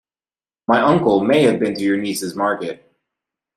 My uncle may have been to your niece's market.